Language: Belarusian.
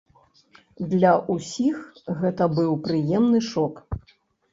Для ўсіх гэта быў прыемны шок.